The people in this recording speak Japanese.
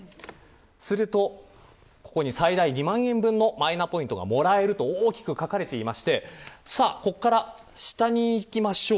するとここに、最大２万円分のマイナポイントがもらえると大きく書かれていましてここから下にいきましょう。